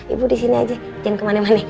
ibu di sini aja jangan kemana mana